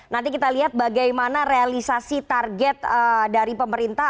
nanti kita lihat bagaimana realisasi target dari pemerintah